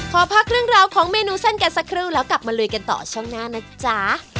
ขอพักเรื่องราวของเมนูเส้นกันสักครู่แล้วกลับมาลุยกันต่อช่วงหน้านะจ๊ะ